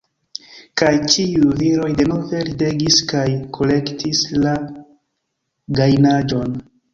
Kaj ĉiuj viroj denove ridegis kaj kolektis la gajnaĵon.